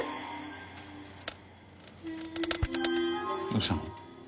どうしたの？